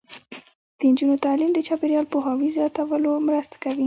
د نجونو تعلیم د چاپیریال پوهاوي زیاتولو مرسته کوي.